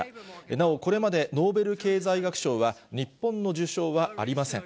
なおこれまでノーベル経済学賞は、日本の受賞はありません。